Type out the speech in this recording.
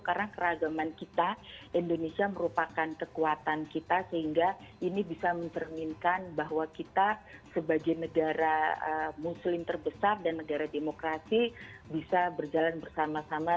karena keragaman kita indonesia merupakan kekuatan kita sehingga ini bisa mencerminkan bahwa kita sebagai negara muslim terbesar dan negara demokrasi bisa berjalan bersama sama